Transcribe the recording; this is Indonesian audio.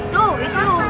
tuh itu lurus